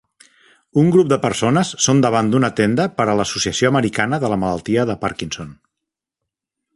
Un grup de persones són davant d'una tenda per a l'Associació Americana de la Malaltia de Parkinson.